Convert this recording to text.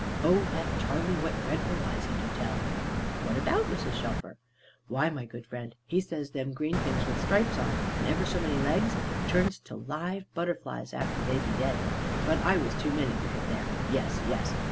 Oh that Charley, what dreadful lies he do tell!" "What about, Mrs. Shelfer?" "Why, my good friend, he says them green things with stripes on, and ever so many legs, turns to live butterflies, after they be dead. But I was too many for him there. Yes, yes.